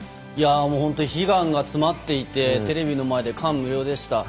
本当に悲願が詰まっていてテレビの前で感無量でした。